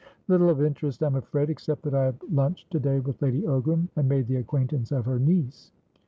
"Little of interest, I'm afraidexcept that I have lunched to day with Lady Ogram and made the acquaintance of her niece."